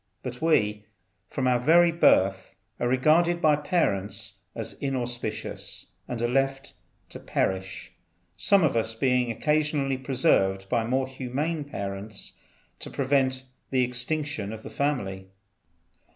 But we, from our very birth, are regarded by our parents as inauspicious, and are left to perish, some of us being occasionally preserved by more humane parents to prevent the extinction of the family."